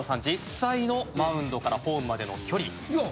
実際のマウンドからホームまでの距離。